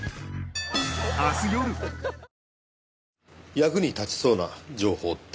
役に立ちそうな情報って？